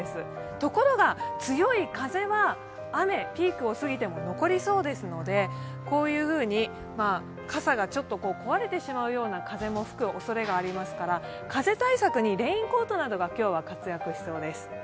ところが強い風は雨、ピークを過ぎても残りそうですので傘が壊れてしまうような風も吹くおそれがありますから、風対策にレインコートなどが今日は活躍しそうです。